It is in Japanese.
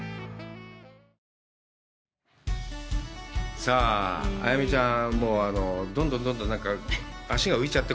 さあ彩芽ちゃん、どんどんどんどん、足が浮いちゃって、